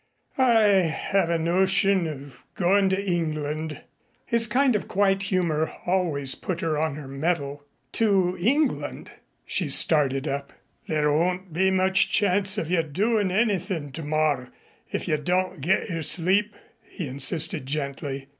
"I have a notion of goin' to England." His kind of quiet humor always put her on her mettle. "To England ?" She started up. "There won't be much chance of your doin' anythin' tomorrow if you don't get your sleep," he insisted gently.